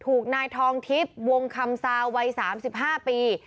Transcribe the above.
ถูกนายทองทิพย์วงคำซาวัย๓๕ปี